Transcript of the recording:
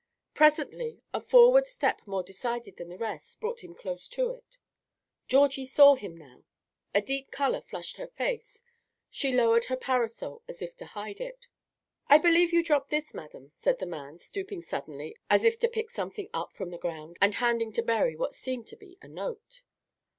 Presently a forward step more decided than the rest brought him close to it. Georgie saw him now. A deep color flushed her face; she lowered her parasol as if to hide it. "I believe you dropped this, madam," said the man, stooping suddenly as if to pick something up from the ground, and handing to Berry what seemed to be a note.